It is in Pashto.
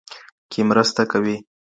کې مرسته کوي.